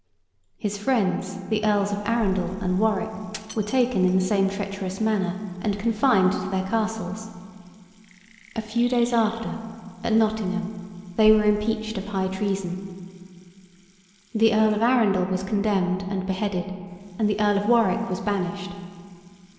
His friends, the Earls of Arundel and Warwick, were taken in the same treacherous manner, and confined to their castles. A few days after, at Nottingham, they were impeached of high treason. The Earl of Arundel was condemned and beheaded, and the Earl of Warwick was banished.